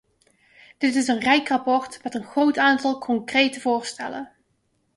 Dit is een rijk rapport met een groot aantal concrete voorstellen.